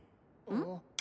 うん？